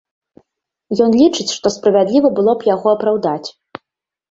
Ён лічыць, што справядліва было б яго апраўдаць.